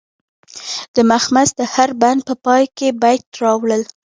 د مخمس د هر بند په پای کې بیت راوړل.